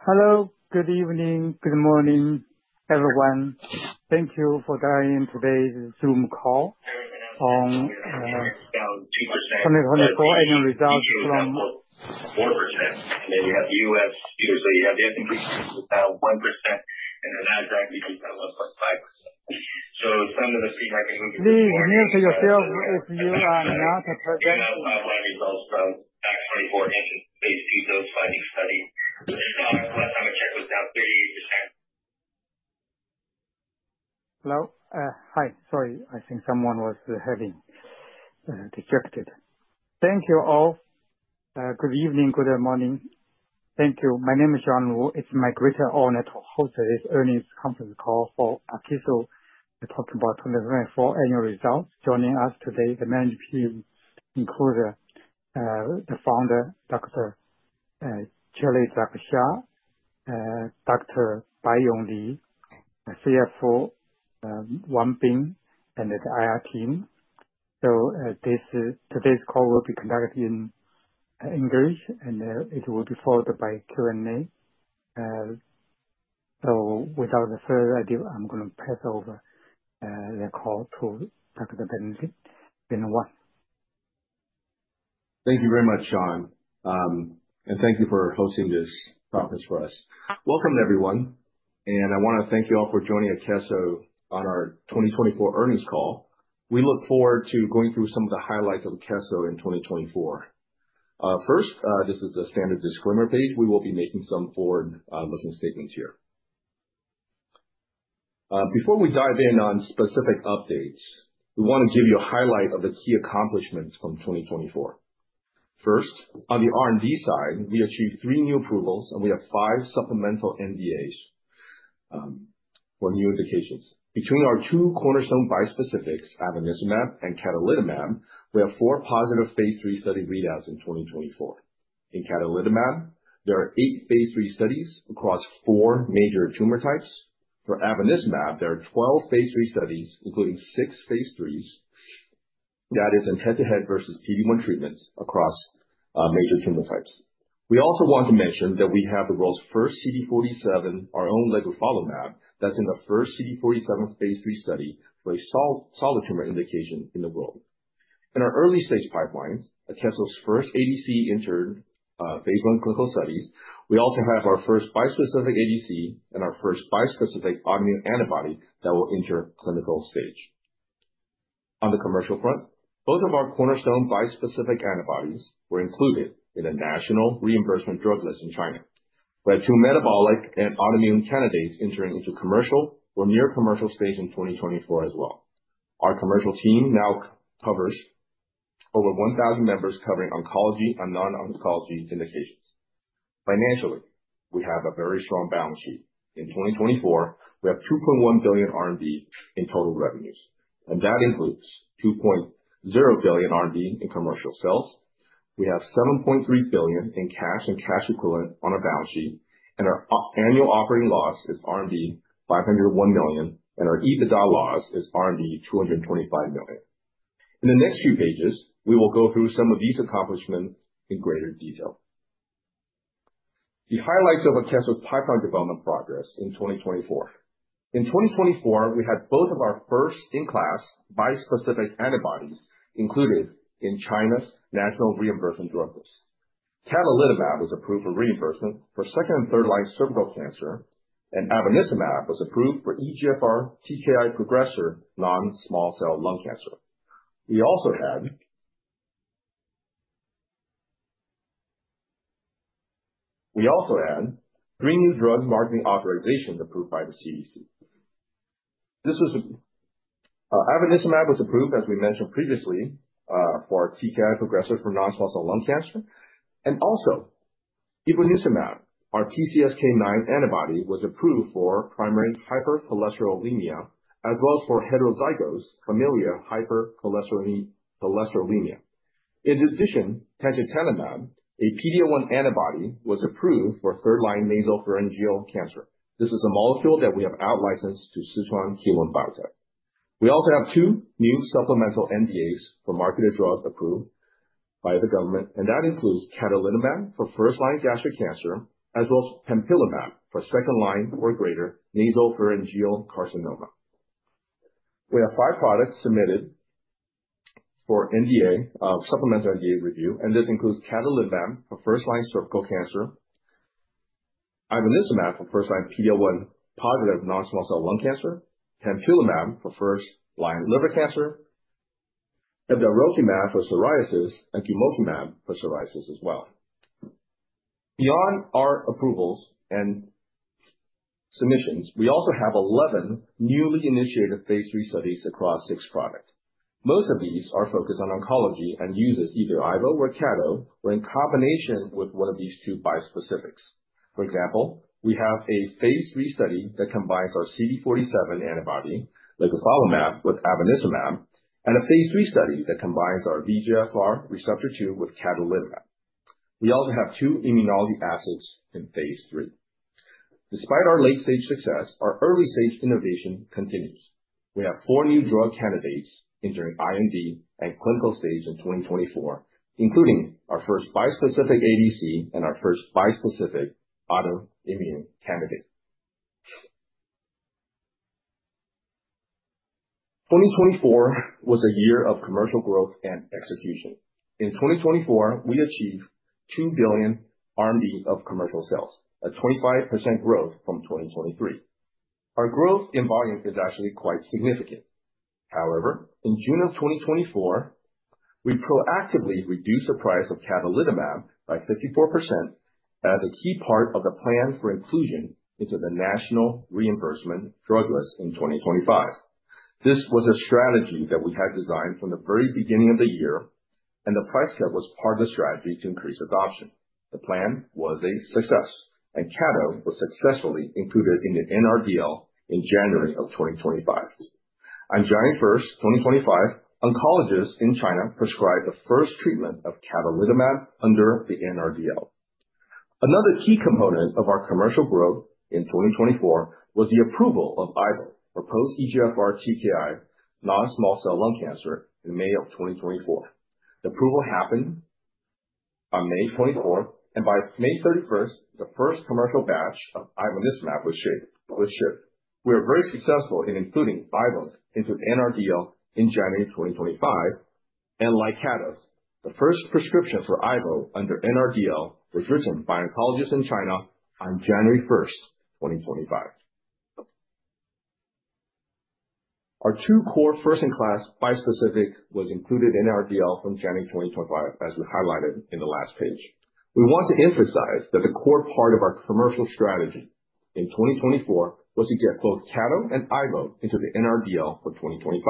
Hello. Good evening. Good morning, everyone. Thank you for joining today's Zoom call on 2024. Can you mute yourself if you are not presenting? Hello? Hi. Sorry. I think someone was having the jacket. Thank you all. Good evening. Good morning. Thank you. My name is Sean Wu. It's my great honor to host this earnings conference call for Akeso. We're talking about 2024 annual results. Joining us today, the managing team includes the founder, Dr. Michelle Xia, Dr. Baiyong Li, CFO, Wang Bing, and the IR team. Today's call will be conducted in English, and it will be followed by Q&A. Without further ado, I'm going to pass over the call to Dr. Bing Wang. Thank you very much, Sean. Thank you for hosting this conference for us. Welcome, everyone. I want to thank you all for joining Akeso on our 2024 earnings call. We look forward to going through some of the highlights of Akeso in 2024. First, this is a standard disclaimer page. We will be making some forward-looking statements here. Before we dive in on specific updates, we want to give you a highlight of the key accomplishments from 2024. First, on the R&D side, we achieved three new approvals, and we have five supplemental NDAs for new indications. Between our two cornerstone bispecifics, Ivonescimab and Cadonilimab, we have four positive phase III study readouts in 2024. In Cadonilimab, there are eight phase III studies across four major tumor types. For Ivonescimab, there are 12 phase III studies, including six phase IIIs. That is in head-to-head versus PD-1 treatments across major tumor types. We also want to mention that we have the world's first CD47, our own Ligufalimab, that's in the first CD47 phase III study for a solid tumor indication in the world. In our early-stage pipelines, Akeso's first ADC entered phase I clinical studies. We also have our first bispecific ADC and our first bispecific autoimmune antibody that will enter clinical stage. On the commercial front, both of our cornerstone bispecific antibodies were included in the national reimbursement drug list in China. We have two metabolic and autoimmune candidates entering into commercial or near-commercial stage in 2024 as well. Our commercial team now covers over 1,000 members covering oncology and non-oncology indications. Financially, we have a very strong balance sheet. In 2024, we have 2.1 billion RMB in total revenues, and that includes 2.0 billion RMB in commercial sales. We have 7.3 billion in cash and cash equivalent on our balance sheet, and our annual operating loss is RMB 501 million, and our EBITDA loss is RMB 225 million. In the next few pages, we will go through some of these accomplishments in greater detail. The highlights of Akeso's pipeline development progress in 2024. In 2024, we had both of our first-in-class bispecific antibodies included in China's national reimbursement drug list. Cadonilimab was approved for reimbursement for second and third-line cervical cancer, and Ivonescimab was approved for EGFR TKI progressor non-small cell lung cancer. We also had three new drugs marketing authorizations approved by the CDE. Ivonescimab was approved, as we mentioned previously, for TKI progressor for non-small cell lung cancer. And also, Ebronucimab, our PCSK9 antibody, was approved for primary hypercholesterolemia as well as for heterozygous familial hypercholesterolemia. In addition, Penpulimab, a PD-L1 antibody, was approved for third-line nasopharyngeal cancer. This is a molecule that we have outlicensed to Sino Biopharm. We also have two new supplemental NDAs for marketed drugs approved by the government, and that includes Cadonilimab for first-line gastric cancer as well as Penpulimab for second-line or greater nasopharyngeal carcinoma. We have five products submitted for NDA or supplemental NDA review, and this includes Cadonilimab for first-line cervical cancer, Ivonescimab for first-line PD-L1 positive non-small cell lung cancer, Penpulimab for first-line liver cancer, Ebdarokimab for psoriasis, and Gumokimab for psoriasis as well. Beyond our approvals and submissions, we also have 11 newly initiated phase III studies across six products. Most of these are focused on oncology and use either ivo or cado, or in combination with one of these two bispecifics. For example, we have a phase III study that combines our CD47 antibody, Ligufalimab, with Ivonescimab, and a phase III study that combines our VEGFR2 receptor with Cadonilimab. We also have two immunology assets in phase III. Despite our late-stage success, our early-stage innovation continues. We have four new drug candidates entering IND and clinical stage in 2024, including our first bispecific ADC and our first bispecific autoimmune candidate. 2024 was a year of commercial growth and execution. In 2024, we achieved 2 billion RMB of commercial sales, a 25% growth from 2023. Our growth in volume is actually quite significant. However, in June of 2024, we proactively reduced the price of Cadonilimab by 54% as a key part of the plan for inclusion into the National Reimbursement Drug List in 2025. This was a strategy that we had designed from the very beginning of the year, and the price cut was part of the strategy to increase adoption. The plan was a success, and cado was successfully included in the NRDL in January of 2025. On January 1st, 2025, oncologists in China prescribed the first treatment of Cadonilimab under the NRDL. Another key component of our commercial growth in 2024 was the approval of ivo, proposed EGFR TKI non-small cell lung cancer, in May of 2024. The approval happened on May 24th, and by May 31st, the first commercial batch of Ivonescimab was shipped. We were very successful in including ivo into the NRDL in January 2025, and like cado the first prescription for ivo under NRDL was written by oncologists in China on January 1st, 2025. Our two core first-in-class bispecifics were included in NRDL from January 2025, as we highlighted in the last page. We want to emphasize that the core part of our commercial strategy in 2024 was to get both cado and ivo into the NRDL for 2025.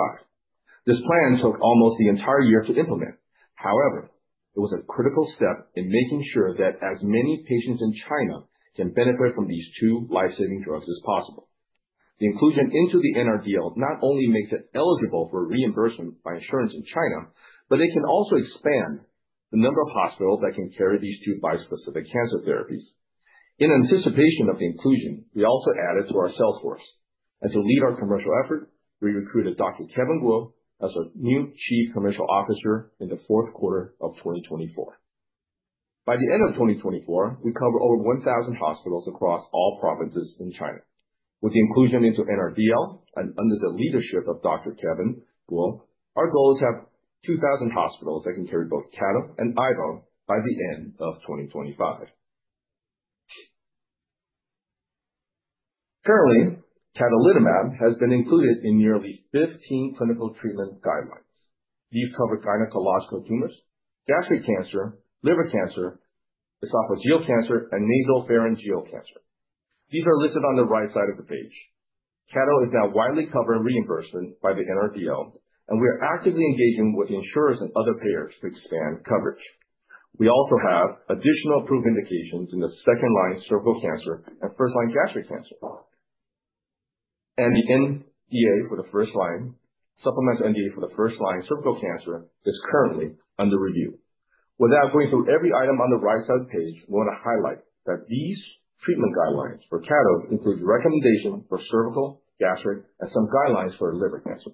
This plan took almost the entire year to implement. However, it was a critical step in making sure that as many patients in China can benefit from these two lifesaving drugs as possible. The inclusion into the NRDL not only makes it eligible for reimbursement by insurance in China, but it can also expand the number of hospitals that can carry these two bispecific cancer therapies. In anticipation of the inclusion, we also added to our sales force. To lead our commercial effort, we recruited Dr. Kevin Guo as our new Chief Commercial Officer in the Q4 of 2024. By the end of 2024, we cover over 1,000 hospitals across all provinces in China. With the inclusion into NRDL and under the leadership of Dr. Kevin Guo, our goal is to have 2,000 hospitals that can carry both cado and ivo by the end of 2025. Currently, Cadonilimab has been included in nearly 15 clinical treatment guidelines. These cover gynecological tumors, gastric cancer, liver cancer, esophageal cancer, and nasopharyngeal cancer. These are listed on the right side of the page. Cado is now widely covered in reimbursement by the NRDL, and we are actively engaging with insurers and other payers to expand coverage. We also have additional approved indications in the second-line cervical cancer and first-line gastric cancer. The NDA for the first-line, supplemental NDA for the first-line cervical cancer, is currently under review. Without going through every item on the right side of the page, we want to highlight that these treatment guidelines for cado include recommendations for cervical, gastric, and some guidelines for liver cancer.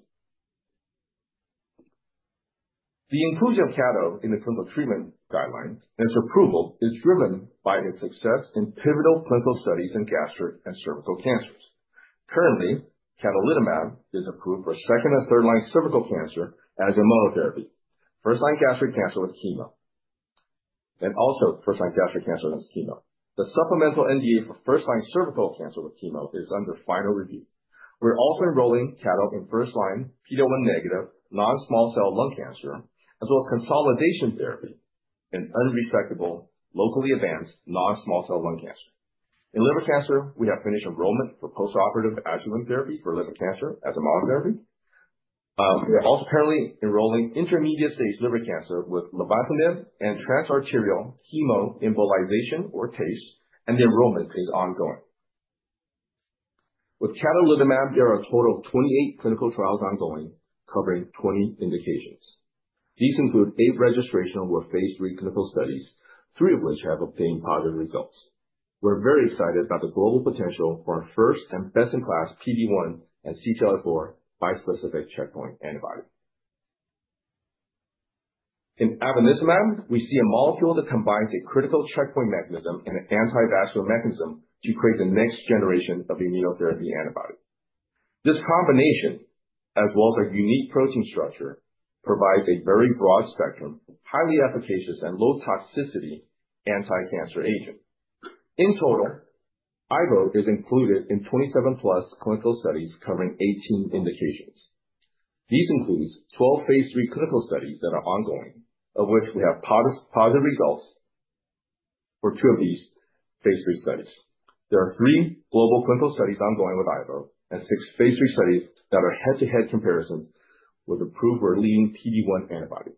The inclusion of cado in the clinical treatment guidelines and its approval is driven by its success in pivotal clinical studies in gastric and cervical cancers. Currently, Cadonilimab is approved for second and third-line cervical cancer as immunotherapy, first-line gastric cancer with chemo, and also first-line gastric cancer and chemo. The supplemental NDA for first-line cervical cancer with chemo is under final review. We're also enrolling cado in first-line PD-L1 negative non-small cell lung cancer, as well as consolidation therapy in unresectable, locally advanced non-small cell lung cancer. In liver cancer, we have finished enrollment for postoperative adjuvant therapy for liver cancer as immunotherapy. We're also currently enrolling intermediate-stage liver cancer with Lenvatinib and transarterial chemoembolization or TACE, and the enrollment is ongoing. With Cadonilimab, there are a total of 28 clinical trials ongoing covering 20 indications. These include eight registrational or phase III clinical studies, three of which have obtained positive results. We're very excited about the global potential for our first and best-in-class PD-1 and CTLA-4 bispecific checkpoint antibody. In Ivonescimab, we see a molecule that combines a critical checkpoint mechanism and an anti-vascular mechanism to create the next generation of immunotherapy antibody. This combination, as well as our unique protein structure, provides a very broad spectrum of highly efficacious and low-toxicity anti-cancer agents. In total, ivo is included in 27-plus clinical studies covering 18 indications. These include 12 phase III clinical studies that are ongoing, of which we have positive results for two of these phase III studies. There are three global clinical studies ongoing with ivo and six phase III studies that are head-to-head comparisons with approved or leading PD-1 antibody.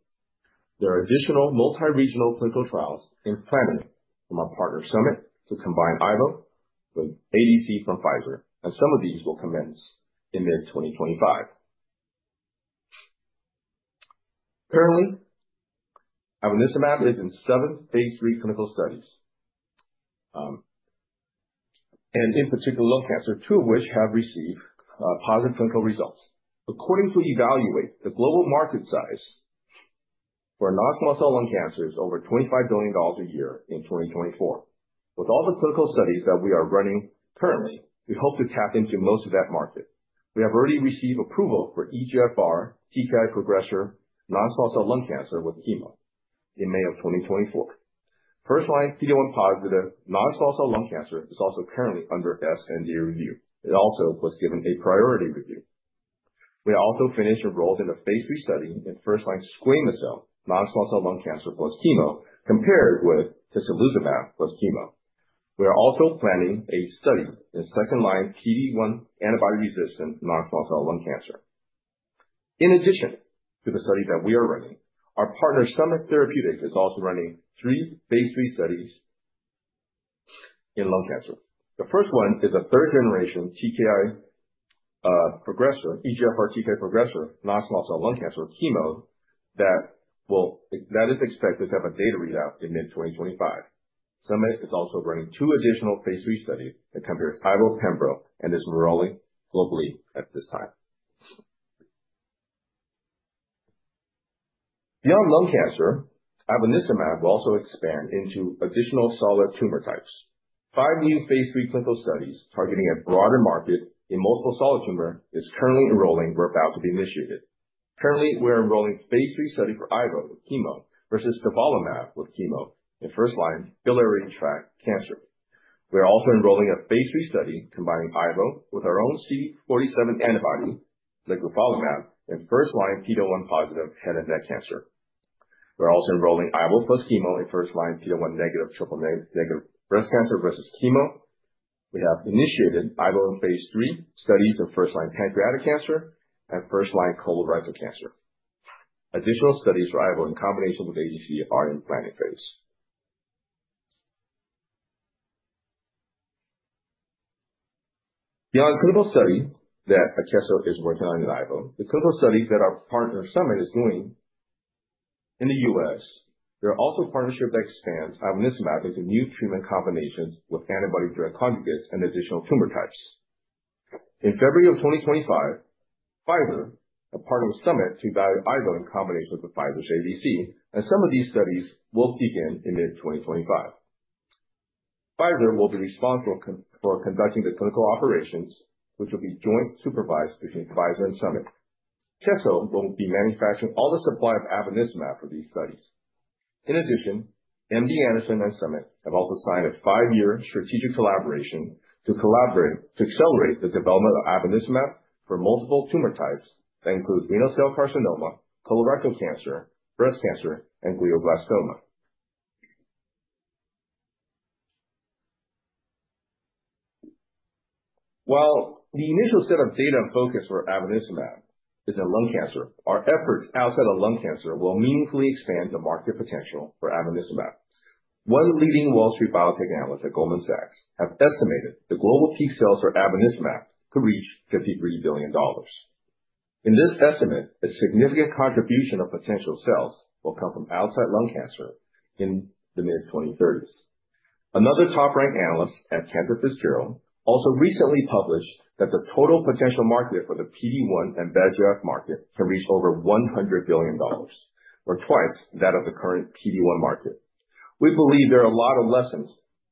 There are additional multi-regional clinical trials in planning from our partner Summit to combine ivo with ADC from Pfizer, and some of these will commence in mid-2025. Currently, Ivonescimab is in seven phase III clinical studies and in particular lung cancer, two of which have received positive clinical results. According to Evaluate, the global market size for non-small cell lung cancer is over $25 billion a year in 2024. With all the clinical studies that we are running currently, we hope to tap into most of that market. We have already received approval for EGFR TKI progressor non-small cell lung cancer with chemo in May of 2024. First-line PD-1 positive non-small cell lung cancer is also currently under sNDA review. It also was given a priority review. We also finished enrollment in a phase III study in first-line squamous cell non-small cell lung cancer plus chemo compared with Tislelizumab plus chemo. We are also planning a study in second-line PD-1 antibody resistant non-small cell lung cancer. In addition to the studies that we are running, our partner Summit Therapeutics is also running three phase III studies in lung cancer. The first one is a third-generation TKI progressor, EGFR TKI progressor non-small cell lung cancer chemo that is expected to have a data readout in mid-2025. Summit is also running two additional phase III studies that compare ivo, Pembro, and is enrolling globally at this time. Beyond lung cancer, Ivonescimab will also expand into additional solid tumor types. Five new phase III clinical studies targeting a broader market in multiple solid tumors are currently enrolling or about to be initiated. Currently, we're enrolling phase III studies for ivo with chemo versus Tislelizumab with chemo in first-line biliary tract cancer. We're also enrolling a phase III study combining ivo with our own CD47 antibody, Ligufalimab, in first-line PD-1 positive head and neck cancer. We're also enrolling ivo plus chemo in first-line PD-1 negative triple negative breast cancer versus chemo. We have initiated ivo in phase III studies in first-line pancreatic cancer and first-line colorectal cancer. Additional studies for ivo in combination with ADC are in planning phase. Beyond the clinical study that Akeso is working on in ivo, the clinical studies that our partner Summit is doing in the U.S., there are also partnerships that expand Ivonescimab into new treatment combinations with antibody-drug conjugates and additional tumor types. In February of 2025, Pfizer will partner with Summit to evaluate IVO in combination with Pfizer's ADC, and some of these studies will begin in mid-2025. Pfizer will be responsible for conducting the clinical operations, which will be jointly supervised between Pfizer and Summit. Akeso will be manufacturing all the supply of Ivonescimab for these studies. In addition, MD Anderson and Summit have also signed a five-year strategic collaboration to accelerate the development of Ivonescimab for multiple tumor types that include renal cell carcinoma, colorectal cancer, breast cancer, and glioblastoma. While the initial set of data and focus for Ivonescimab is in lung cancer, our efforts outside of lung cancer will meaningfully expand the market potential for Ivonescimab. One leading Wall Street biotech analyst at Goldman Sachs has estimated the global peak sales for Ivonescimab could reach $53 billion. In this estimate, a significant contribution of potential sales will come from outside lung cancer in the mid-2030s. Another top-ranked analyst at Cantor Fitzgerald also recently published that the total potential market for the PD-1 and VEGF market can reach over $100 billion, or twice that of the current PD-1 market. We believe there are a lot of lessons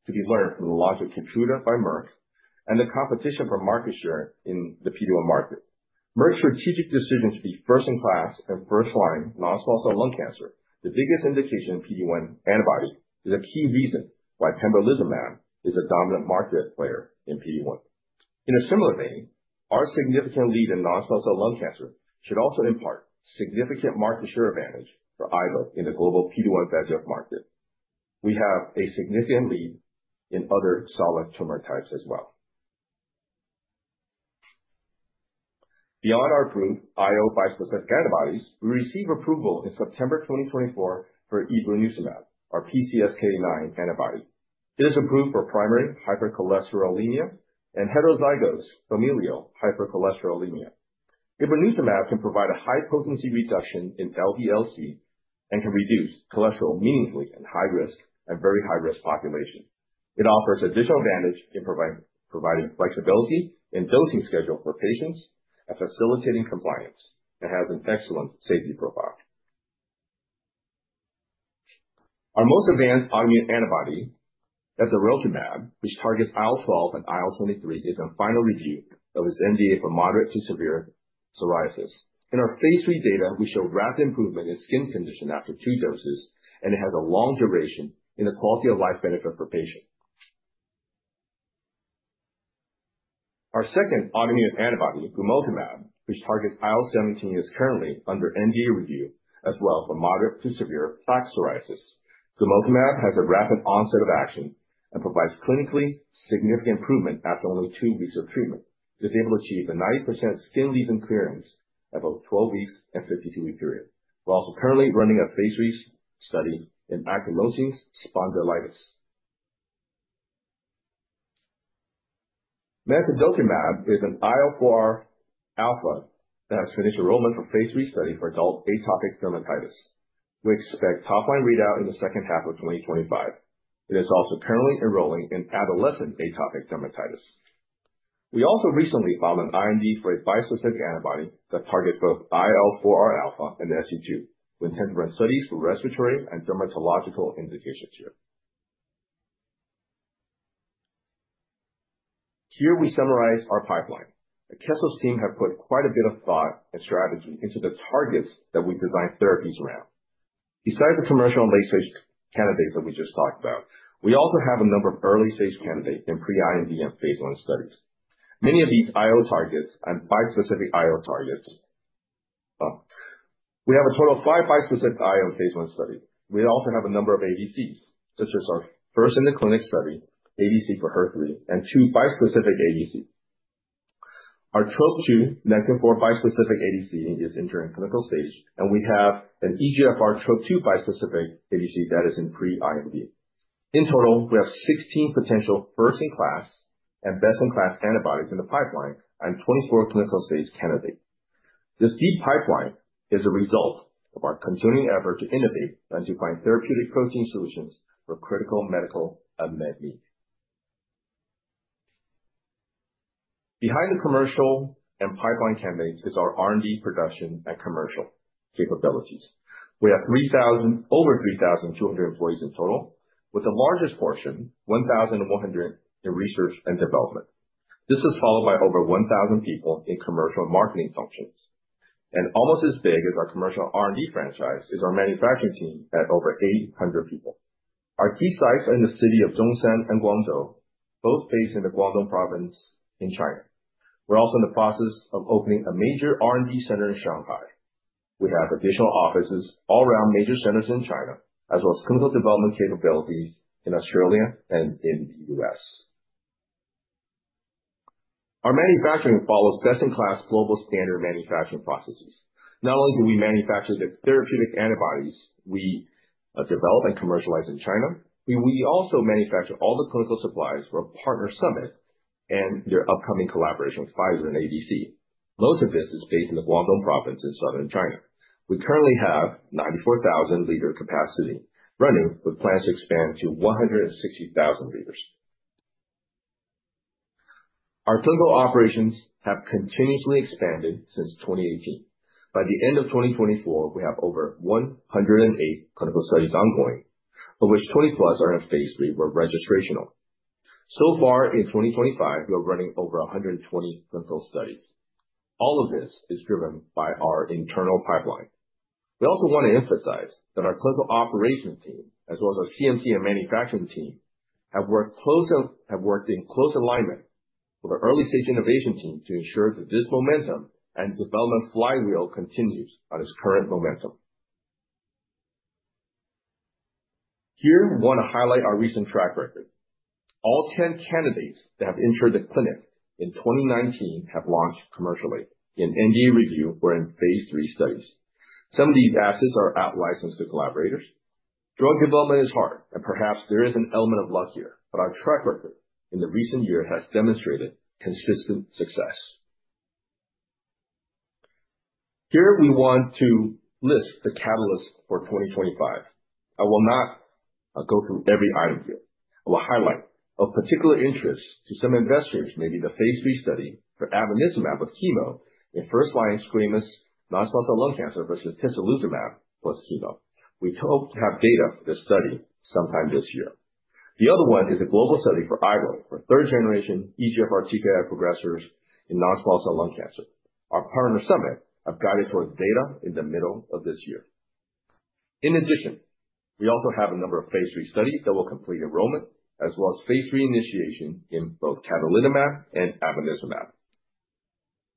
to be learned from the launch of Keytruda by Merck and the competition for market share in the PD-1 market. Merck's strategic decision to be first-in-class and first-line non-small cell lung cancer, the biggest indication of PD-1 antibody, is a key reason why Pembrolizumab is a dominant market player in PD-1. In a similar vein, our significant lead in non-small cell lung cancer should also impart significant market share advantage for IVO in the global PD-1 VEGF market. We have a significant lead in other solid tumor types as well. Beyond our approved IVO bispecific antibodies, we received approval in September 2024 for Ebronucimab, our PCSK9 antibody. It is approved for primary hypercholesterolemia and heterozygous familial hypercholesterolemia. Ebronucimab can provide a high potency reduction in LDL-C and can reduce cholesterol meaningfully in high-risk and very high-risk populations. It offers additional advantage in providing flexibility in dosing schedules for patients and facilitating compliance and has an excellent safety profile. Our most advanced autoimmune antibody that's Gumokimab, which targets IL-12 and IL-23, is in final review of its NDA for moderate to severe psoriasis. In our phase III data, we show rapid improvement in skin condition after two doses, and it has a long duration in the quality of life benefit for patients. Our second autoimmune antibody, which is under NDA review as well for moderate to severe plaque psoriasis, is Gumokimab, which targets IL-17. Gumokimab has a rapid onset of action and provides clinically significant improvement after only two weeks of treatment. It is able to achieve a 90% skin lesion clearance at about 12 weeks and a 52-week period. We're also currently running a phase III study in ankylosing spondylitis. Manidiplimab is an IL-4R alpha that has finished enrollment for phase III studies for adult atopic dermatitis. We expect top-line readout in the second half of 2025. It is also currently enrolling in adolescent atopic dermatitis. We also recently filed an IND for a bispecific antibody that targets both IL-4R alpha and ST2 with intent to run studies for respiratory and dermatological indications here. Here we summarize our pipeline. Akeso's team has put quite a bit of thought and strategy into the targets that we design therapies around. Besides the commercial and late-stage candidates that we just talked about, we also have a number of early-stage candidates in pre-IND and phase I studies. Many of these IO targets and bispecific IO targets. We have a total of five bispecific IO phase I studies. We also have a number of ADCs, such as our first-in-the-clinic study, ADC for HER3, and two bispecific ADCs. Our TROP2/Nectin-4 bispecific ADC is entering clinical stage, and we have an EGFR TROP2 bispecific ADC that is in pre-IND. In total, we have 16 potential first-in-class and best-in-class antibodies in the pipeline and 24 clinical stage candidates. This deep pipeline is a result of our continuing effort to innovate and to find therapeutic protein solutions for critical medical and med needs. Behind the commercial and pipeline candidates is our R&D production and commercial capabilities. We have over 3,200 employees in total, with the largest portion, 1,100 in research and development. This is followed by over 1,000 people in commercial and marketing functions. Almost as big as our commercial R&D franchise is our manufacturing team at over 800 people. Our key sites are in the city of Zhongshan and Guangzhou, both based in the Guangdong Province in China. We are also in the process of opening a major R&D center in Shanghai. We have additional offices all around major centers in China, as well as clinical development capabilities in Australia and in the U.S. Our manufacturing follows best-in-class global standard manufacturing processes. Not only do we manufacture the therapeutic antibodies we develop and commercialize in China, we also manufacture all the clinical supplies for our partner Summit and their upcoming collaboration with Pfizer and ADC. Most of this is based in the Guangdong Province in southern China. We currently have 94,000 liters capacity running, with plans to expand to 160,000 liters. Our clinical operations have continuously expanded since 2018. By the end of 2024, we have over 108 clinical studies ongoing, of which 20-plus are in phase III, where registration is ongoing. So far, in 2025, we are running over 120 clinical studies. All of this is driven by our internal pipeline. We also want to emphasize that our clinical operations team, as well as our CMC and manufacturing team, have worked in close alignment with our early-stage innovation team to ensure that this momentum and development flywheel continues on its current momentum. Here, we want to highlight our recent track record. All 10 candidates that have entered the clinic in 2019 have launched commercially. In NDA review, we're in phase III studies. Some of these assets are out-licensed to collaborators. Drug development is hard, and perhaps there is an element of luck here, but our track record in the recent year has demonstrated consistent success. Here, we want to list the catalysts for 2025. I will not go through every item here. I will highlight a particular interest to some investors, maybe the phase III study for Ivonescimab with chemo in first-line squamous non-small cell lung cancer versus Tislelizumab plus chemo. We hope to have data for this study sometime this year. The other one is a global study for IVO for third-generation EGFR TKI progressors in non-small cell lung cancer. Our partner Summit have guided towards data in the middle of this year. In addition, we also have a number of phase III studies that will complete enrollment, as well as phase III initiation in both Cadonilimab and Ivonescimab.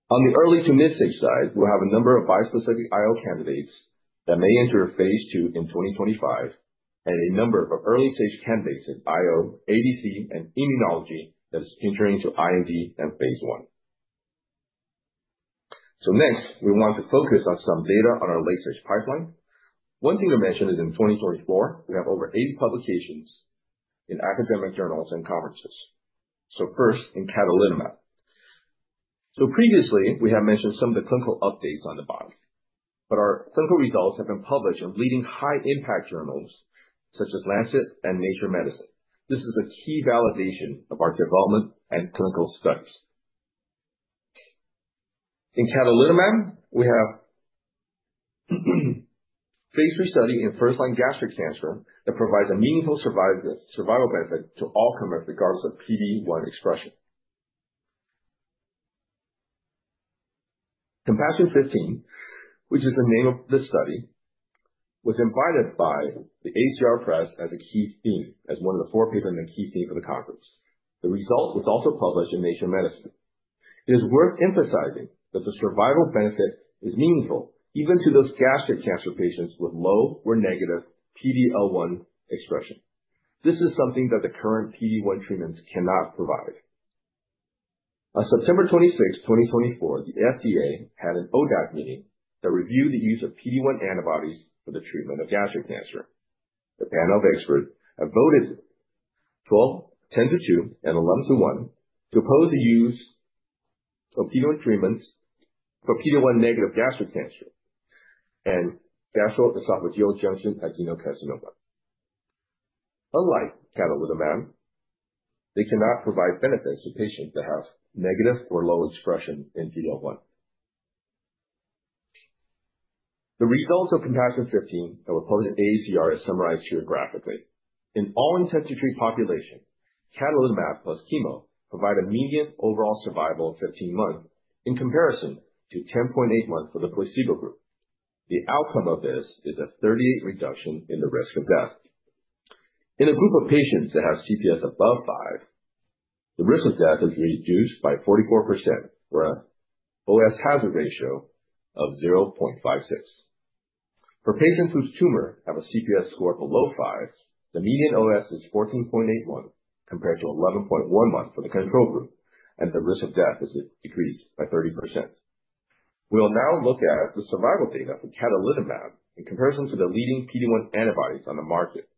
On the early to mid-stage side, we'll have a number of bispecific IO candidates that may enter phase II in 2025, and a number of early-stage candidates in IO, ADC, and immunology that are entering into IND and phase I. Next, we want to focus on some data on our late-stage pipeline. One thing to mention is in 2024, we have over 80 publications in academic journals and conferences. First, in Cadonilimab. Previously, we have mentioned some of the clinical updates on the bottom, but our clinical results have been published in leading high-impact journals such as Lancet and Nature Medicine. This is a key validation of our development and clinical studies. In Cadonilimab, we have phase III studies in first-line gastric cancer that provide a meaningful survival benefit to all comers regardless of PD-1 expression. Compassion 15, which is the name of the study, was invited by the AACR press as a key theme, as one of the four papers and a key theme for the conference. The result was also published in Nature Medicine. It is worth emphasizing that the survival benefit is meaningful even to those gastric cancer patients with low or negative PD-L1 expression. This is something that the current PD-1 treatments cannot provide. On September 26, 2024, the FDA had an ODAC meeting that reviewed the use of PD-1 antibodies for the treatment of gastric cancer. The panel of experts voted 10-2 and 11-1 to oppose the use of PD-1 treatments for PD-1 negative gastric cancer and gastroesophageal junction adenocarcinoma. Unlike Cadonilimab, they cannot provide benefits to patients that have negative or low expression in PD-L1. The results of Compassion 15 and what posed at AACR are summarized here graphically. In all intensive treatment populations, Cadonilimab plus chemo provide a median overall survival of 15 months in comparison to 10.8 months for the placebo group. The outcome of this is a 38% reduction in the risk of death. In a group of patients that have CPS above 5, the risk of death is reduced by 44% for an OS hazard ratio of 0.56. For patients whose tumor has a CPS score below 5, the median OS is 14.81 compared to 11.11 for the control group, and the risk of death is decreased by 30%. We'll now look at the survival data for Cadonilimab in comparison to the leading PD-1 antibodies on the market.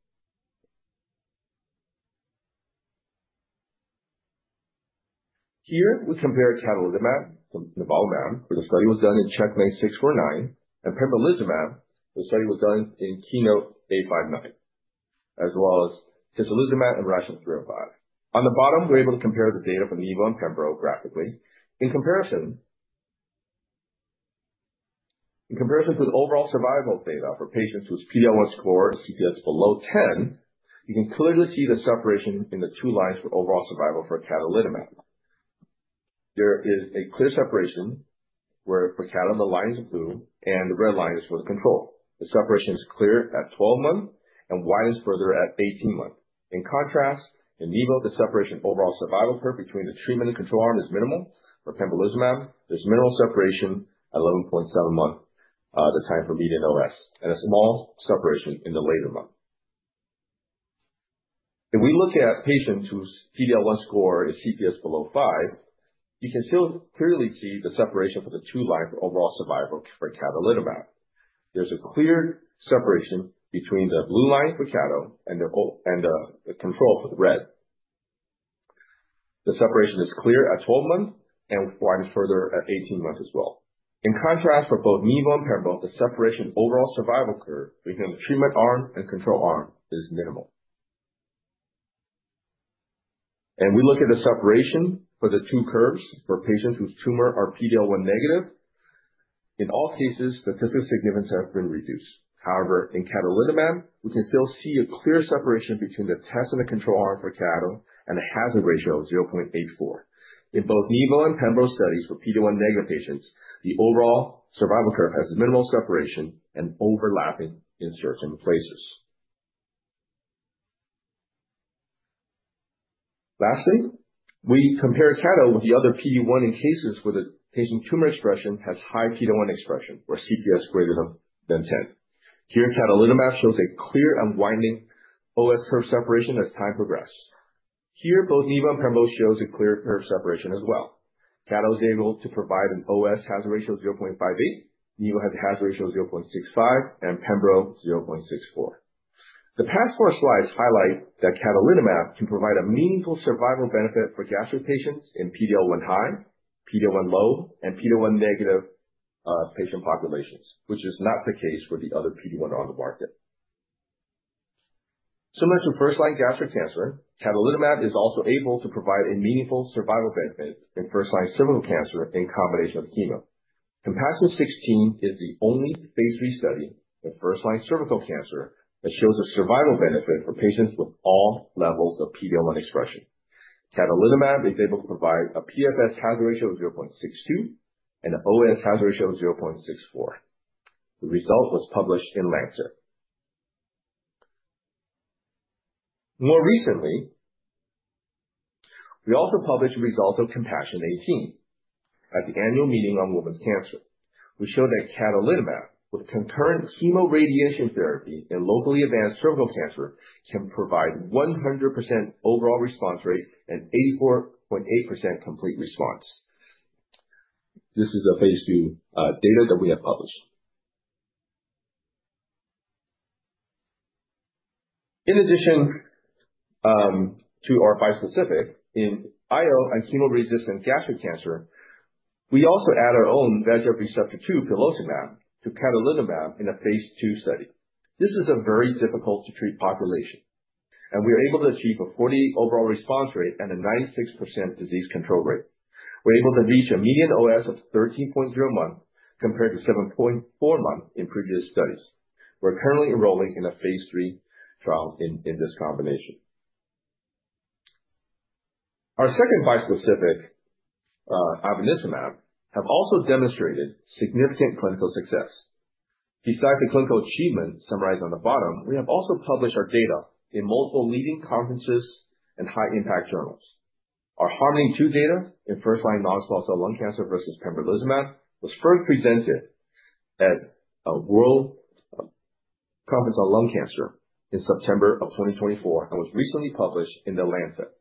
Here, we compare Cadonilimab to Nivolumab, where the study was done in CheckMate 649, and Pembrolizumab, where the study was done in KEYNOTE-059, as well as Tislelizumab and RATIONALE-305. On the bottom, we're able to compare the data for Nivo and Pembro graphically. In comparison, in comparison to the overall survival data for patients whose PD-L1 score and CPS below 10, you can clearly see the separation in the two lines for overall survival for Cadonilimab. There is a clear separation where for cad, the line is blue and the red line is for the control. The separation is clear at 12 months and widened further at 18 months. In contrast, in Nivo, the separation overall survival curve between the treatment and control arm is minimal. For Pembrolizumab, there's minimal separation at 11.7 months, the time for median OS, and a small separation in the later month. If we look at patients whose PD-L1 score is CPS below 5, you can still clearly see the separation for the two lines for overall survival for Cadonilimab. There is a clear separation between the blue line for cado and the control for the red. The separation is clear at 12 months and widens further at 18 months as well. In contrast, for both Nivo and Pembro, the separation overall survival curve between the treatment arm and control arm is minimal. We look at the separation for the two curves for patients whose tumor are PD-L1 negative. In all cases, statistical significance has been reduced. However, in Cadonilimab, we can still see a clear separation between the test and the control arm for cado and a hazard ratio of 0.84. In both Nivo and Pembro studies for PD-L1 negative patients, the overall survival curve has minimal separation and overlapping inserts in places. Lastly, we compare Cadonilimab with the other PD-1 in cases where the patient tumor expression has high PD-L1 expression or CPS greater than 10. Here, Cadonilimab shows a clear and widening OS curve separation as time progresses. Here, both Nivo and Pembro show a clear curve separation as well. Cadonilimab is able to provide an OS hazard ratio of 0.58. Nivo has a hazard ratio of 0.65 and Pembro 0.64. The past four slides highlight that Cadonilimab can provide a meaningful survival benefit for gastric patients in PD-L1 high, PD-L1 low, and PD-L1 negative patient populations, which is not the case for the other PD-1 on the market. Similar to first-line gastric cancer, Cadonilimab is also able to provide a meaningful survival benefit in first-line cervical cancer in combination with chemo. Compassion 16 is the only phase III study in first-line cervical cancer that shows a survival benefit for patients with all levels of PD-L1 expression. Cadonilimab is able to provide a PFS hazard ratio of 0.62 and an OS hazard ratio of 0.64. The result was published in Lancet. More recently, we also published results of Compassion 18 at the annual meeting on women's cancer. We showed that Cadonilimab with concurrent chemoradiation therapy in locally advanced cervical cancer can provide 100% overall response rate and 84.8% complete response. This is the phase II data that we have published. In addition to our bispecific, in IO and chemoresistant gastric cancer, we also add our own VEGFR2 Pulocimab to Cadonilimab in a phase II study. This is a very difficult-to-treat population, and we are able to achieve a 40% overall response rate and a 96% disease control rate. We're able to reach a median OS of 13.01 compared to 7.41 in previous studies. We're currently enrolling in a phase III trial in this combination. Our second bispecific, Ivonescimab, has also demonstrated significant clinical success. Besides the clinical achievement summarized on the bottom, we have also published our data in multiple leading conferences and high-impact journals. Our Harmony II data in first-line non-small cell lung cancer versus Pembrolizumab was first presented at a World Conference on Lung Cancer in September of 2024 and was recently published in The Lancet.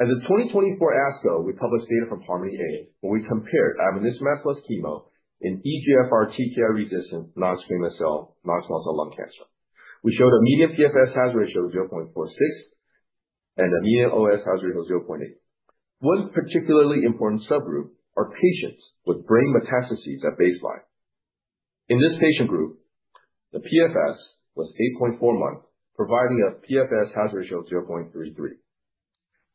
At the 2024 ASCO, we published data from Harmony A, where we compared Ivonescimab plus chemo in EGFR TKI resistant non-squamous cell non-small cell lung cancer. We showed a median PFS hazard ratio of 0.46 and a median OS hazard ratio of 0.8. One particularly important subgroup are patients with brain metastases at baseline. In this patient group, the PFS was 8.41, providing a PFS hazard ratio of 0.33.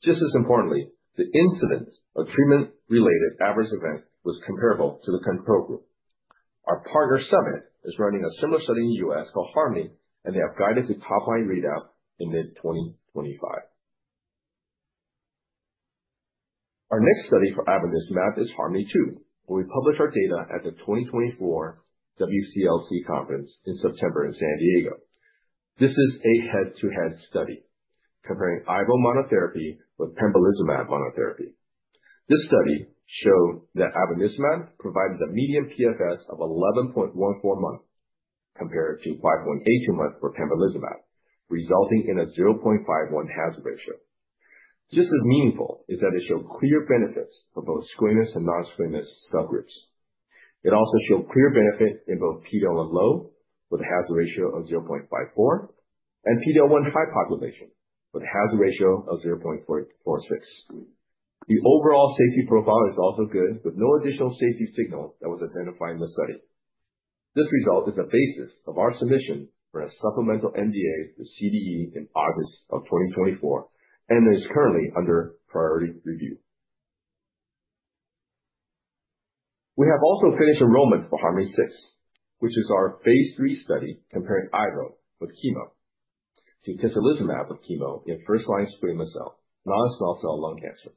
Just as importantly, the incidence of treatment-related adverse events was comparable to the control group. Our partner Summit is running a similar study in the U.S. called Harmony, and they have guided the top-line readout in mid-2025. Our next study for Ivonescimab is Harmony II, where we published our data at the 2024 WCLC conference in September in San Diego. This is a head-to-head study comparing ivo monotherapy with Pembrolizumab monotherapy. This study showed that Ivonescimab provided a median PFS of 11.14 months compared to 5.82 months for Pembrolizumab, resulting in a 0.51 hazard ratio. Just as meaningful is that it showed clear benefits for both squamous and non-squamous subgroups. It also showed clear benefit in both PD-L1 low with a hazard ratio of 0.54 and PD-L1 high population with a hazard ratio of 0.46. The overall safety profile is also good, with no additional safety signal that was identified in the study. This result is the basis of our submission for a supplemental NDA to CDE in August of 2024, and it is currently under priority review. We have also finished enrollment for Harmony VI, which is our phase III study comparing ivo with chemo to Tislelizumab with chemo in first-line squamous cell non-small cell lung cancer.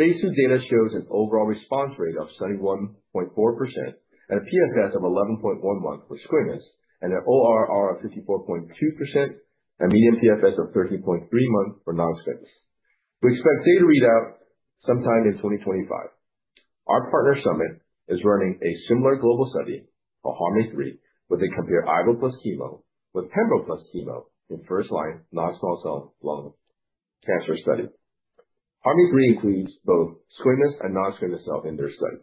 Phase II data shows an overall response rate of 71.4% and a PFS of 11.11 for squamous and an ORR of 54.2% and a median PFS of 13.31 for non-squamous. We expect data readout sometime in 2025. Our partner Summit is running a similar global study called Harmony III, where they compare ivo plus chemo with Pembro plus chemo in first-line non-small cell lung cancer study. Harmony III includes both squamous and non-squamous cell in their study.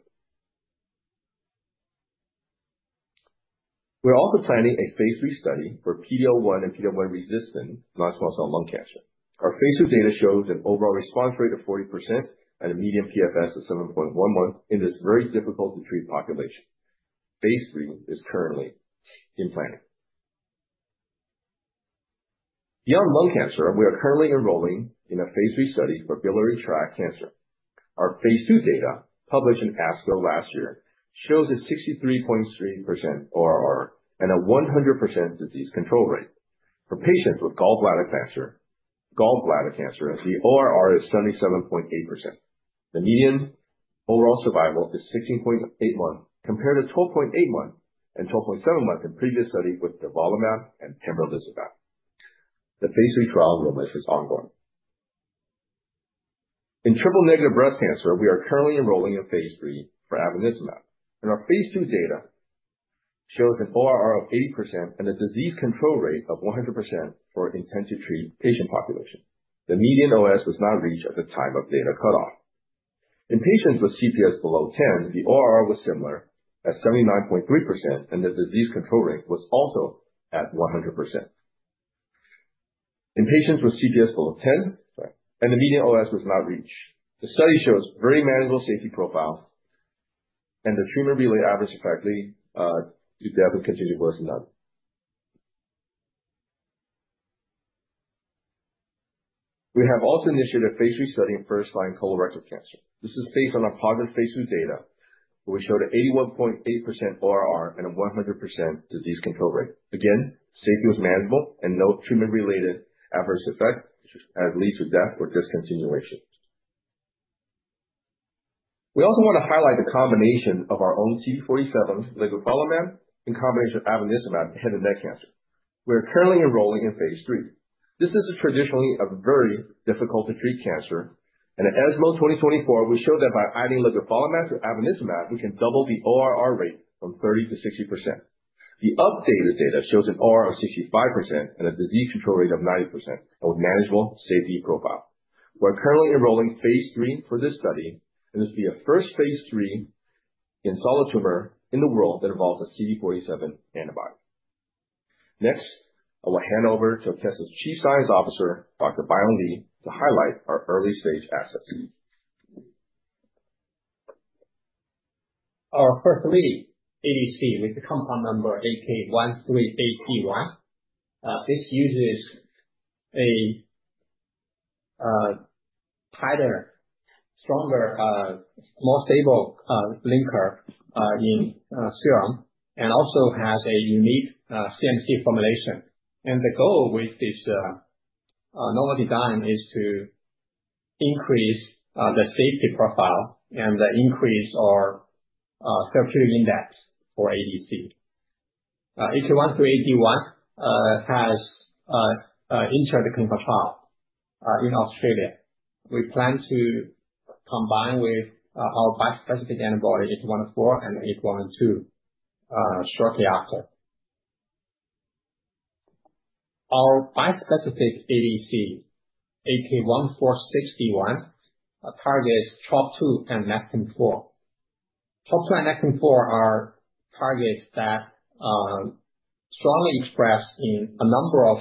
We're also planning a phase III study for PD-L1 and PD-L1 resistant non-small cell lung cancer. Our phase II data shows an overall response rate of 40% and a median PFS of 7.11 in this very difficult-to-treat population. Phase III is currently in planning. Beyond lung cancer, we are currently enrolling in a phase III study for biliary tract cancer. Our phase II data, published in ASCO last year, shows a 63.3% ORR and a 100% disease control rate. For patients with gallbladder cancer, gallbladder cancer, the ORR is 77.8%. The median overall survival is 16.81 compared to 12.81 and 12.71 in previous studies with Nivolumab and Pembrolizumab. The phase III trial enrollment is ongoing. In triple-negative breast cancer, we are currently enrolling in phase III for Ivonescimab. Our phase II data shows an ORR of 80% and a disease control rate of 100% for intensive treatment patient population. The median OS was not reached at the time of data cutoff. In patients with CPS below 10, the ORR was similar at 79.3%, and the disease control rate was also at 100%. In patients with CPS below 10, the median OS was not reached. The study shows very manageable safety profile, and the treatment related adverse effectively to death with continued voice and nothing. We have also initiated a phase III study in first-line colorectal cancer. This is based on our positive phase III data, where we showed an 81.8% ORR and a 100% disease control rate. Again, safety was manageable and no treatment-related adverse effect has led to death or discontinuation. We also want to highlight the combination of our own CD47, Ligufalimab, in combination with Ivonescimab in head and neck cancer. We are currently enrolling in phase III. This is traditionally a very difficult-to-treat cancer, and at ESMO 2024, we showed that by adding Ligufalimab to Ivonescimab, we can double the ORR rate from 30% to 60%. The updated data shows an ORR of 65% and a disease control rate of 90% and with manageable safety profile. We're currently enrolling phase III for this study, and this will be a first phase III in solid tumor in the world that involves a CD47 antibody. Next, I will hand over to Akeso Chief Scientific Officer, Dr. Baiyong Li, to highlight our early-stage assets. Our first lead ADC with the compound number AK13AD1. This uses a tighter, stronger, more stable linker in serum and also has a unique CMC formulation. The goal with this novel design is to increase the safety profile and increase our therapeutic index for ADC. AK13AD1 has entered the clinical trial in Australia. We plan to combine with our bispecific antibody AK114 and AK112 shortly after. Our bispecific ADC, AK146D1, targets TROP2 and Nectin-4. TROP2 and Nectin-4 are targets that are strongly expressed in a number of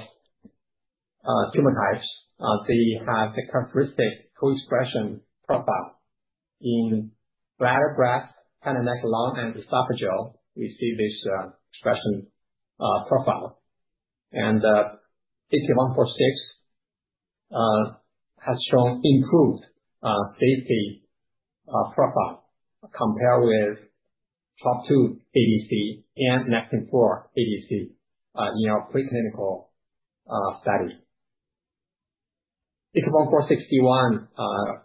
tumor types. They have the characteristic co-expression profile in bladder, breast, head and neck, lung, and esophageal. We see this expression profile. AK146 has shown improved safety profile compared with TROP2 ADC and Nectin-4 ADC in our preclinical study. AK146D1,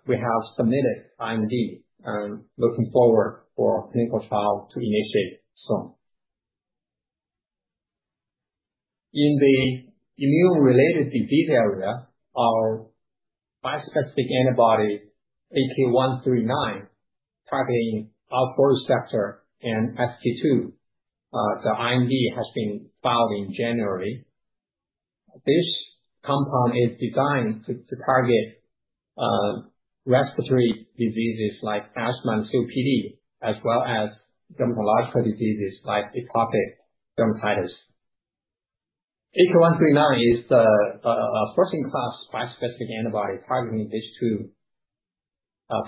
we have submitted IND and looking forward for clinical trial to initiate soon. In the immune-related disease area, our bispecific antibody AK139, targeting IL-4R alpha and ST2, the IND has been filed in January. This compound is designed to target respiratory diseases like asthma and COPD, as well as dermatological diseases like atopic dermatitis. AK139 is the first-in-class bispecific antibody targeting these two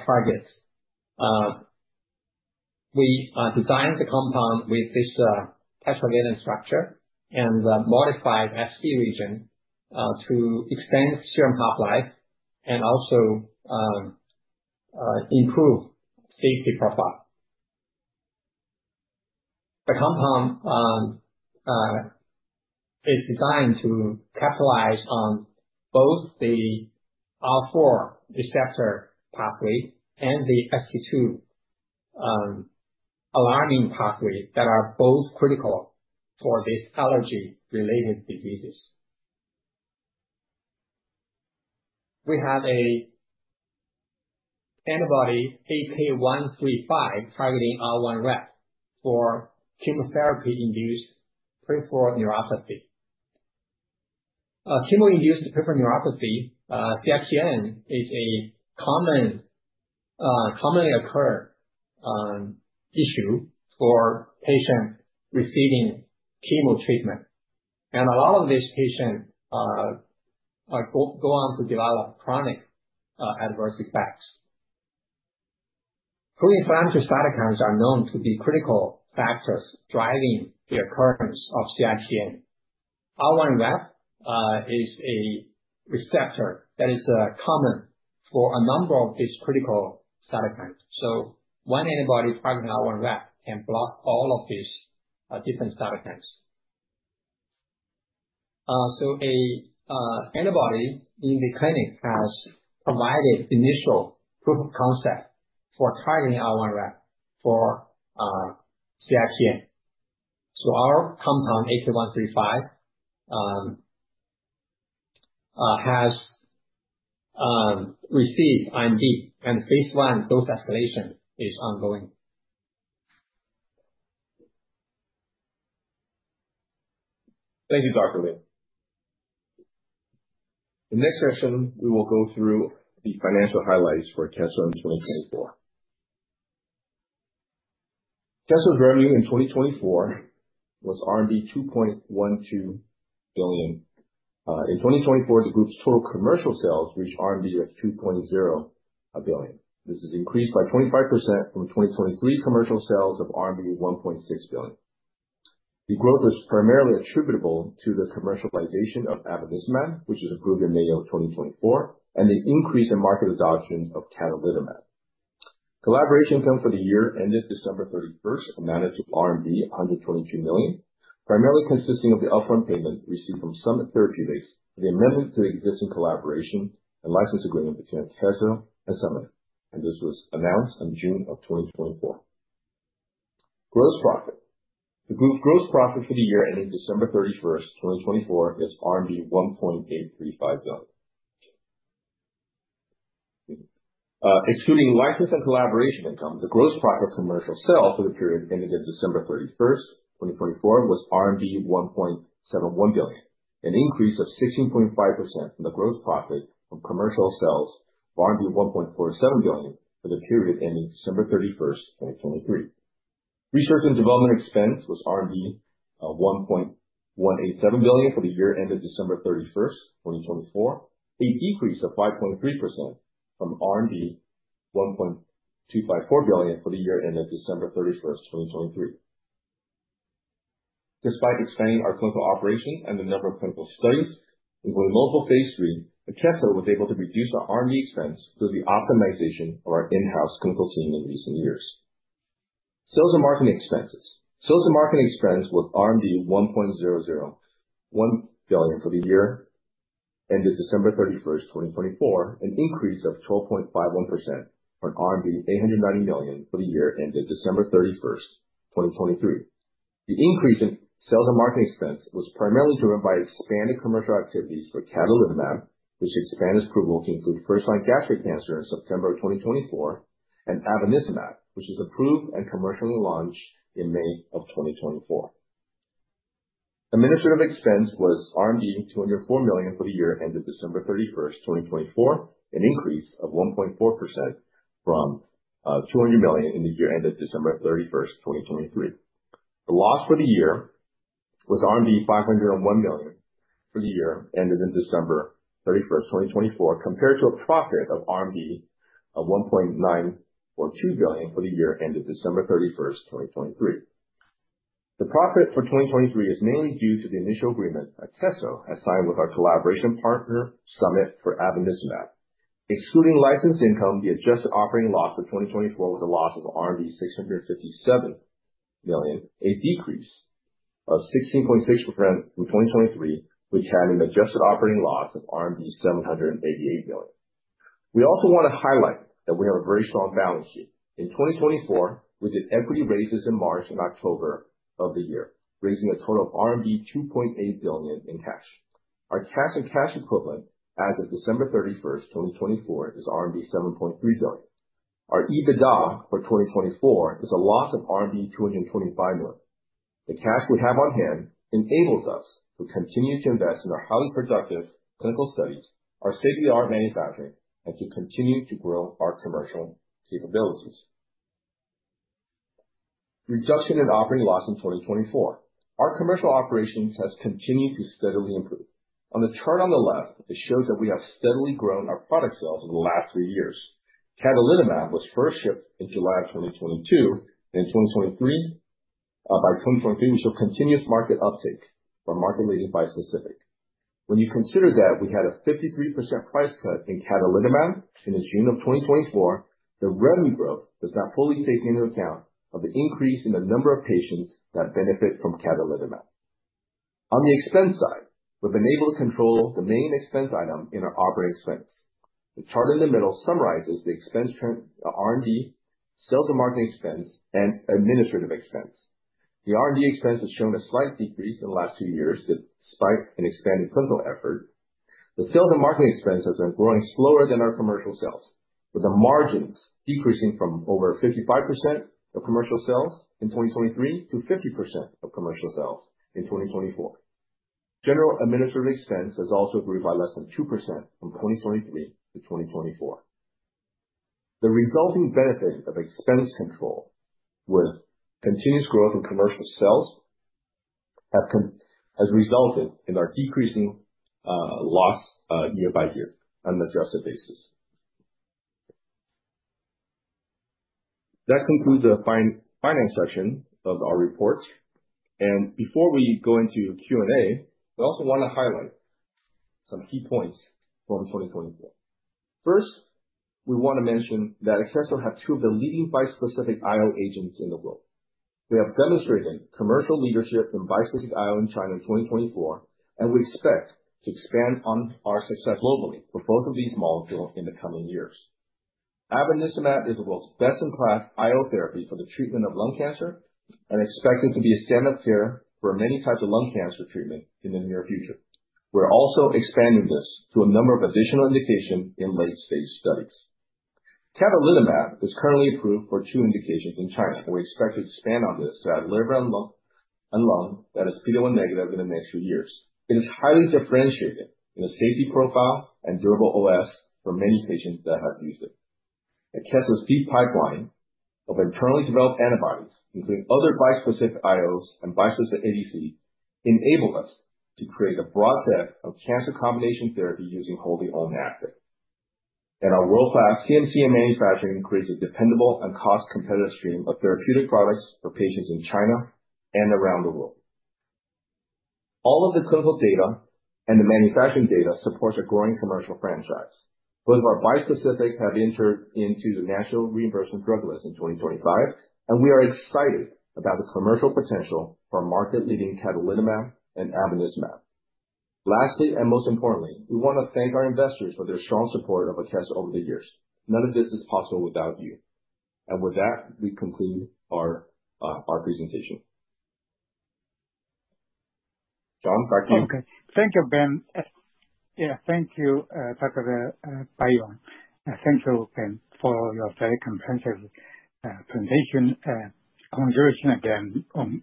targets. We designed the compound with this tetravalent structure and modified ST region to extend serum half-life and also improve safety profile. The compound is designed to capitalize on both the IL-4R alpha pathway and the ST2 alarmin pathway that are both critical for these allergy-related diseases. We have an antibody AK135 targeting IL-1R for chemotherapy-induced peripheral neuropathy. Chemo-induced peripheral neuropathy, CIPN, is a commonly occurring issue for patients receiving chemo treatment. A lot of these patients go on to develop chronic adverse effects. Pro-inflammatory cytokines are known to be critical factors driving the occurrence of CIPN. IL-1RAP is a receptor that is common for a number of these critical cytokines. One antibody targeting IL-1RAP can block all of these different cytokines. An antibody in the clinic has provided initial proof of concept for targeting IL-1RAP for CIPN. Our compound, AK135, has received IND, and phase I dose escalation is ongoing. Thank you, Dr. Li. The next session, we will go through the financial highlights for Akeso in 2024. Akeso's revenue in 2024 was RMB 2.12 billion. In 2024, the group's total commercial sales reached 2.0 billion RMB. This is increased by 25% from 2023 commercial sales of RMB 1.6 billion. The growth is primarily attributable to the commercialization of Ivonescimab, which was approved in May of 2024, and the increase in market adoption of Cadonilimab. Collaboration income for the year ended December 31 amounted to RMB 122 million, primarily consisting of the upfront payment received from Summit Therapeutics for the amendment to the existing collaboration and license agreement between Akeso and Summit. This was announced in June of 2024. Gross profit. The group's gross profit for the year ending December 31, 2024, is RMB 1.835 billion. Excluding license and collaboration income, the gross profit of commercial sales for the period ended December 31, 2024, was 1.71 billion, an increase of 16.5% from the gross profit from commercial sales of 1.47 billion for the period ending December 31, 2023. Research and development expense was RMB 1.187 billion for the year ended December 31, 2024, a decrease of 5.3% from RMB 1.254 billion for the year ended December 31, 2023. Despite expanding our clinical operation and the number of clinical studies, including multiple phase III, Akeso was able to reduce our R&D expense through the optimization of our in-house clinical team in recent years. Sales and marketing expenses. Sales and marketing expense was 1.001 billion for the year ended December 31, 2024, an increase of 12.51% from RMB 890 million for the year ended December 31, 2023. The increase in sales and marketing expense was primarily driven by expanded commercial activities for Cadonilimab, which expanded approval to include first-line gastric cancer in September of 2024, and Ivonescimab, which was approved and commercially launched in May of 2024. Administrative expense was RMB 204 million for the year ended December 31, 2024, an increase of 1.4% from 200 million in the year ended December 31, 2023. The loss for the year was 501 million for the year ended December 31, 2024, compared to a profit of 1.942 billion for the year ended December 31, 2023. The profit for 2023 is mainly due to the initial agreement that Akeso has signed with our collaboration partner, Summit for Ivonescimab. Excluding license income, the adjusted operating loss for 2024 was a loss of 657 million, a decrease of 16.6% from 2023, which had an adjusted operating loss of RMB 788 million. We also want to highlight that we have a very strong balance sheet. In 2024, we did equity raises in March and October of the year, raising a total of RMB 2.8 billion in cash. Our cash and cash equivalent as of December 31, 2024, is RMB 7.3 billion. Our EBITDA for 2024 is a loss of RMB 225 million. The cash we have on hand enables us to continue to invest in our highly productive clinical studies, our state-of-the-art manufacturing, and to continue to grow our commercial capabilities. Reduction in operating loss in 2024. Our commercial operations have continued to steadily improve. On the chart on the left, it shows that we have steadily grown our product sales over the last three years. Cadonilimab was first shipped in July of 2022, and in 2023, by 2023, we show continuous market uptake for market-related bispecific. When you consider that we had a 53% price cut in Cadonilimab in June of 2024, the revenue growth does not fully take into account the increase in the number of patients that benefit from Cadonilimab. On the expense side, we've been able to control the main expense item in our operating expense. The chart in the middle summarizes the expense trend, R&D, sales and marketing expense, and administrative expense. The R&D expense has shown a slight decrease in the last two years despite an expanded clinical effort. The sales and marketing expense has been growing slower than our commercial sales, with the margins decreasing from over 55% of commercial sales in 2023 to 50% of commercial sales in 2024. General administrative expense has also improved by less than 2% from 2023 to 2024. The resulting benefit of expense control with continuous growth in commercial sales has resulted in our decreasing loss year by year on an adjusted basis. That concludes the finance section of our report. Before we go into Q&A, we also want to highlight some key points from 2024. First, we want to mention that Akeso has two of the leading bispecific IO agents in the world. We have demonstrated commercial leadership in bispecific IO in China in 2024, and we expect to expand on our success globally for both of these molecules in the coming years. Ivonescimab is the world's best-in-class IO therapy for the treatment of lung cancer and expected to be a standard of care for many types of lung cancer treatment in the near future. We're also expanding this to a number of additional indications in late-stage studies. Cadonilimab is currently approved for two indications in China, and we expect to expand on this to have liver and lung that is beta-1 negative in the next few years. It is highly differentiated in a safety profile and durable OS for many patients that have used it. Akeso's deep pipeline of internally developed antibodies, including other bispecific IOs and bispecific ADC, enabled us to create a broad set of cancer combination therapy using wholly owned assets. Our world-class CMC and manufacturing creates a dependable and cost-competitive stream of therapeutic products for patients in China and around the world. All of the clinical data and the manufacturing data supports a growing commercial franchise. Both of our bispecific have entered into the National Reimbursement Drug List in 2025, and we are excited about the commercial potential for market-leading Cadonilimab and Ivonescimab. Lastly, and most importantly, we want to thank our investors for their strong support of Akeso over the years. None of this is possible without you. With that, we conclude our presentation. Sean, back to you. Okay. Thank you, Bing. Yeah, thank you, Dr. Baiyong Li. Thank you, Ben, for your very comprehensive presentation. Congratulations again on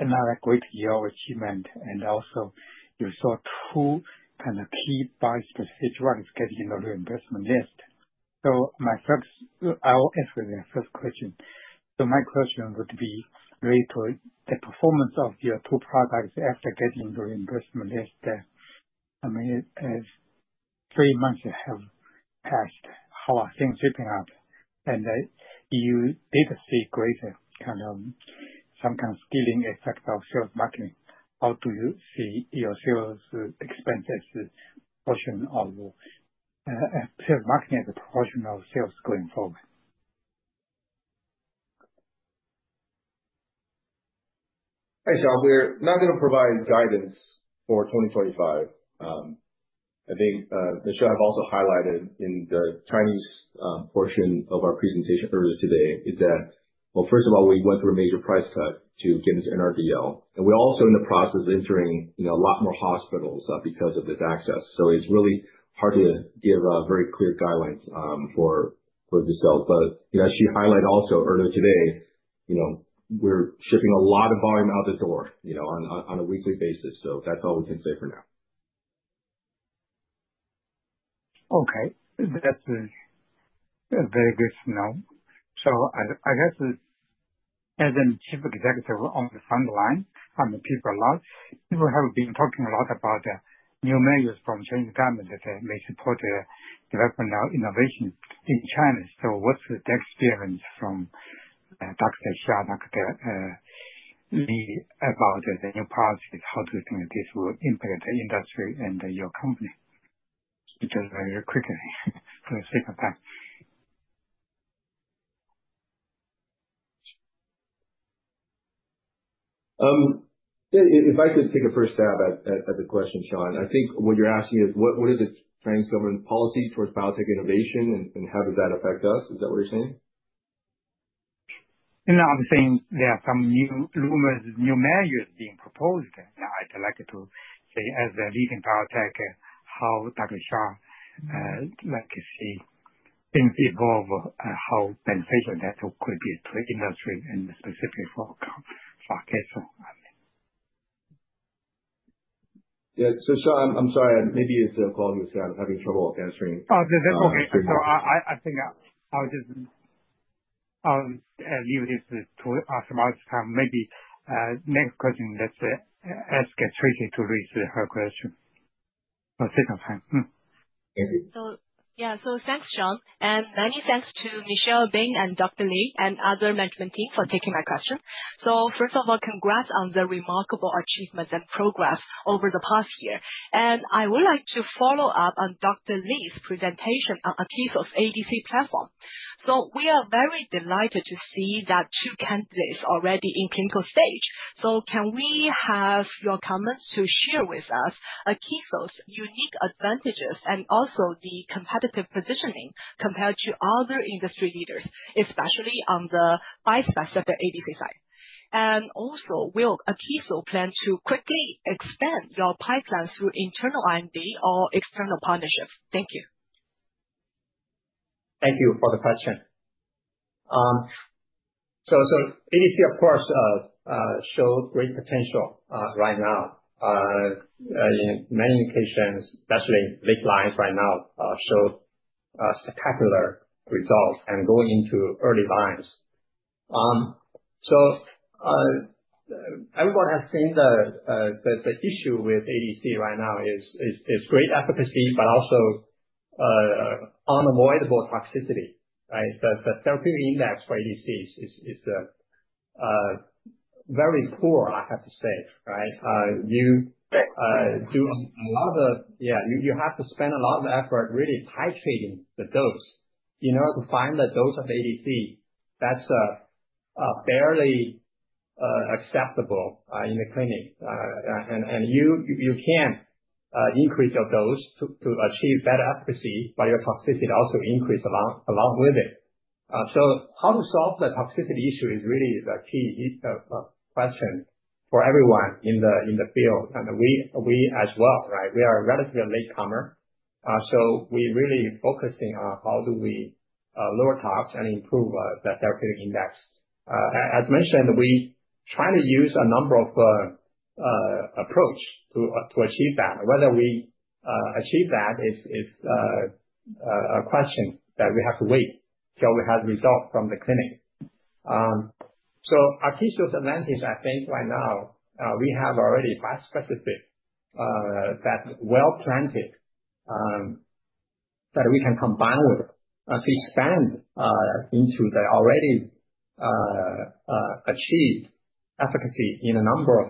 another great year of achievement, and also you saw two kind of key bispecific drugs getting into the reimbursement list. My first, I'll ask you the first question. My question would be related to the performance of your two products after getting into the reimbursement list. I mean, three months have passed. How are things shaping up? And do you did see greater kind of some kind of scaling effect of sales marketing? How do you see your sales expenses proportion of sales marketing as a proportion of sales going forward? Hey, Sean, we're not going to provide guidance for 2025. I think Michelle has also highlighted in the Chinese portion of our presentation earlier today is that, first of all, we went through a major price cut to get into NRDL. We're also in the process of entering a lot more hospitals because of this access. It's really hard to give very clear guidelines for the sales. As she highlighted earlier today, we're shipping a lot of volume out the door on a weekly basis. That's all we can say for now. Okay. That's a very good note. I guess as a Chief Executive on the front line, I meet people a lot. People have been talking a lot about new measures from the Chinese government that may support developmental innovation in China. What's the experience from Dr. Xia and Dr. Li about the new policies? How do you think this will impact the industry and your company? Just very quickly for the sake of time. If I could take a first stab at the question, Sean, I think what you're asking is, what is the Chinese government's policy towards biotech innovation, and how does that affect us? Is that what you're saying? I'm saying there are some new rumors, new measures being proposed. I'd like to say as the leading biotech, how Dr. Xia, like she thinks, evolve, how beneficial that could be to industry and specifically for Akeso. Yeah. Sean, I'm sorry. Maybe it's the quality of sound. I'm having trouble answering. Oh, that's okay. I think I'll just leave this to ask about time. Maybe next question, let's ask Tracy to raise her question for sake of time. Thank you. Yeah. Thanks, Sean. And many thanks to Michelle, Bing, and Dr. Li and other management team for taking my question. First of all, congrats on the remarkable achievements and progress over the past year. I would like to follow up on Dr. Baiyong Li's presentation on Akeso's ADC platform. We are very delighted to see that two candidates are already in the clinical stage. Can we have your comments to share with us Akeso's unique advantages and also the competitive positioning compared to other industry leaders, especially on the bispecific ADC side? Also, will Akeso plan to quickly expand your pipeline through internal IND or external partnerships? Thank you. Thank you for the question. ADC, of course, shows great potential right now. In many occasions, especially late lines right now, show spectacular results and go into early lines. Everyone has seen the issue with ADC right now. It is great efficacy, but also unavoidable toxicity, right? The therapeutic index for ADC is very poor, I have to say, right? You do a lot of, yeah, you have to spend a lot of effort really titrating the dose in order to find the dose of ADC that's barely acceptable in the clinic. You can increase your dose to achieve better efficacy, but your toxicity also increases along with it. How to solve the toxicity issue is really the key question for everyone in the field. We as well, right? We are a relatively late comer. We are really focusing on how do we lower tox and improve the therapeutic index. As mentioned, we try to use a number of approaches to achieve that. Whether we achieve that is a question that we have to wait till we have results from the clinic. Akeso's advantage, I think right now, we have already bispecific that's well planted that we can combine with to expand into the already achieved efficacy in a number of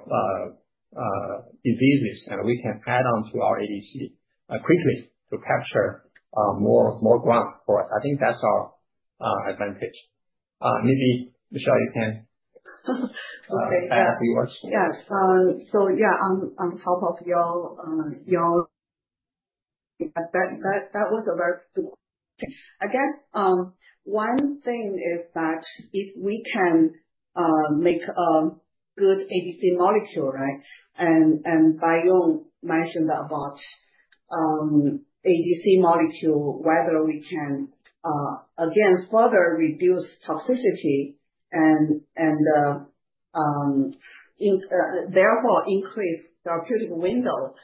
diseases, and we can add on to our ADC quickly to capture more ground for us. I think that's our advantage. Maybe Michelle, you can add a few words. Yes. Yeah, on top of your, that was a very good point. I guess one thing is that if we can make a good ADC molecule, right? And Baiyong mentioned about ADC molecule, whether we can again further reduce toxicity and therefore increase therapeutic window,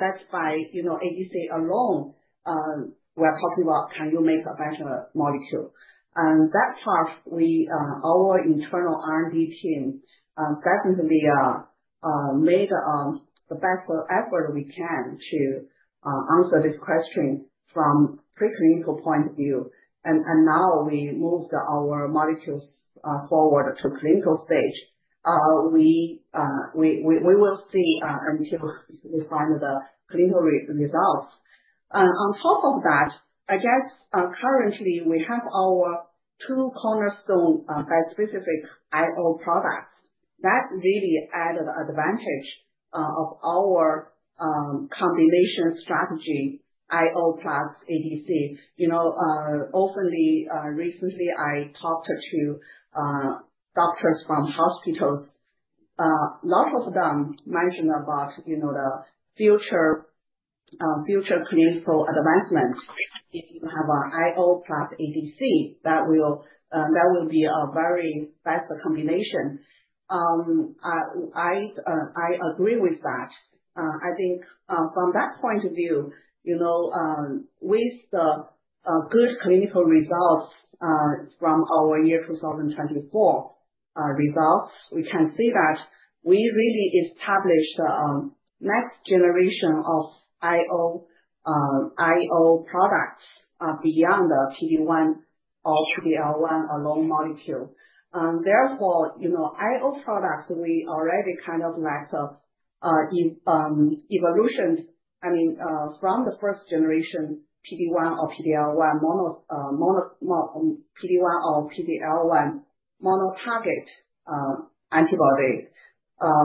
that's by ADC alone, we're talking about can you make a better molecule. And that part, our internal R&D team definitely made the best effort we can to answer this question from a preclinical point of view. Now we moved our molecules forward to clinical stage. We will see until we find the clinical results. On top of that, I guess currently we have our two cornerstone bispecific IO products. That really added an advantage of our combination strategy, IO plus ADC. You know, recently I talked to doctors from hospitals. A lot of them mentioned about the future clinical advancement. If you have an IO plus ADC, that will be a very best combination. I agree with that. I think from that point of view, with the good clinical results from our year 2024 results, we can see that we really established the next generation of IO products beyond the PD-1 or PD-L1 alone molecule. Therefore, IO products, we already kind of evolution, I mean, from the first generation PD-1 or PD-L1, PD-1 or PD-L1 monotarget antibody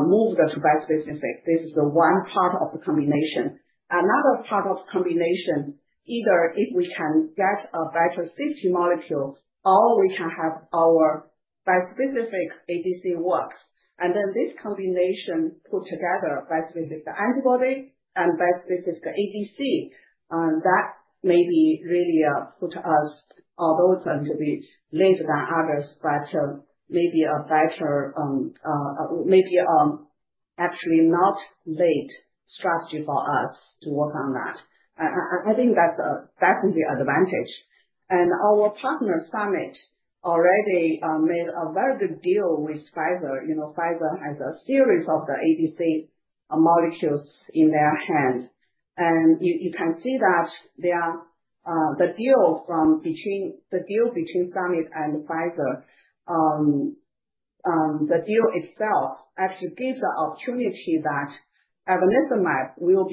moved to bispecific. This is one part of the combination. Another part of the combination, either if we can get a better safety molecule or we can have our bispecific ADC works. This combination put together, bispecific antibody and bispecific ADC, that maybe really put us, although it's going to be later than others, but maybe a better, maybe actually not late strategy for us to work on that. I think that's definitely an advantage. Our partner Summit already made a very good deal with Pfizer. Pfizer has a series of the ADC molecules in their hand. You can see that the deal between Summit and Pfizer, the deal itself actually gives the opportunity that Ivonescimab will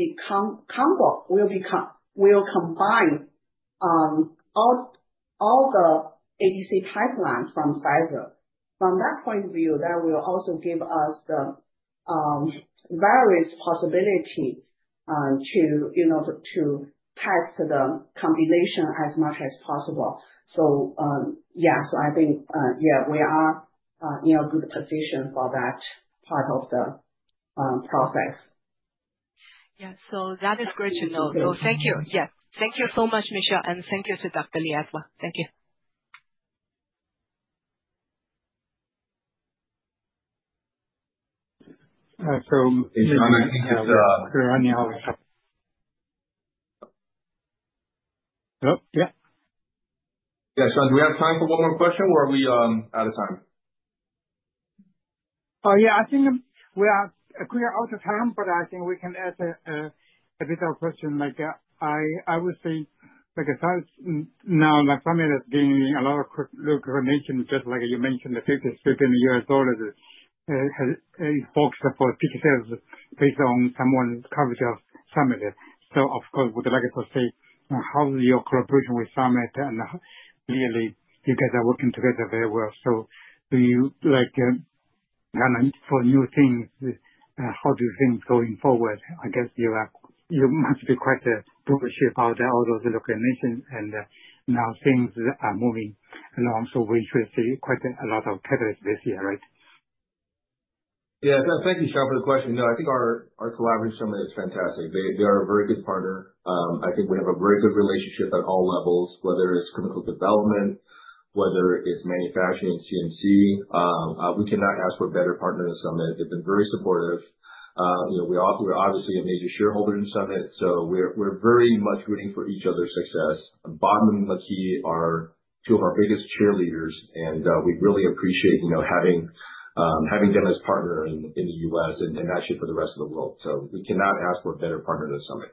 combine all the ADC pipelines from Pfizer. From that point of view, that will also give us the various possibility to test the combination as much as possible. Yeah, I think we are in a good position for that part of the process. That is great to know. Thank you. Thank you so much, Michelle. And thank you to Dr. Li as well. Thank you. Is there any other? Nope. Yeah. Sean, do we have time for one more question, or are we out of time? I think we are clear out of time, but I think we can ask a bit of a question. I would say, as far as now, the Summit is gaining a lot of recognition, just like you mentioned, the $52 is focused for PTs based on someone's coverage of Summit. Of course, we would like to say, how is your collaboration with Summit? Clearly, you guys are working together very well. You kind of for new things, how do you think going forward? I guess you must be quite bullish about all those recognitions. Now things are moving along, so we should see quite a lot of catalysts this year, right? Yeah. Thank you, Sean, for the question. No, I think our collaboration Summit is fantastic. They are a very good partner. I think we have a very good relationship at all levels, whether it's clinical development, whether it's manufacturing and CMC. We cannot ask for a better partner in Summit. They've been very supportive. We're obviously a major shareholder in Summit, so we're very much rooting for each other's success. Bob and Maky are two of our biggest cheerleaders, and we really appreciate having them as partners in the U.S. and actually for the rest of the world. We cannot ask for a better partner in the Summit.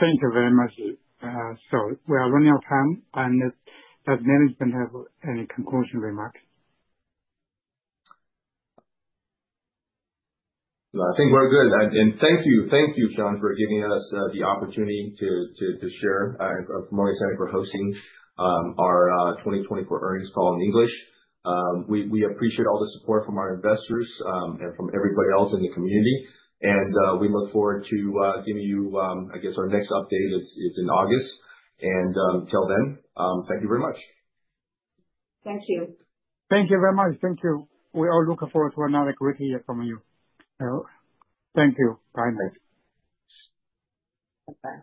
Thank you very much. We are running out of time. Does management have any conclusion remarks? No, I think we're good. Thank you, Sean, for giving us the opportunity to share and for Morgan Stanley for hosting our 2024 earnings call in English. We appreciate all the support from our investors and from everybody else in the community. We look forward to giving you, I guess, our next update in August and tell them, "Thank you very much." Thank you. Thank you very much. Thank you. We are looking forward to another great year from you. Thank you. Bye. Thanks.